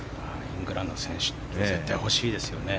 イングランドの選手なので絶対欲しいですよね。